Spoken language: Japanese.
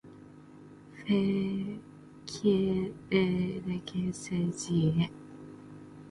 ふぇ ｒｖｆｒｖｊ きえ ｖ へ ｒｊｃｂ れ ｌｈｃ れ ｖ け ｒｊ せ ｒｋｖ じぇ ｓ